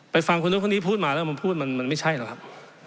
ไปฟังคุณทุกคนนี้พูดมาแล้วพูดมันไม่ใช่หรอกครับ